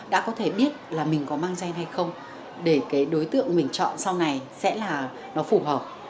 đã có thể biết là mình có mang gen hay không để cái đối tượng mình chọn sau này sẽ là nó phù hợp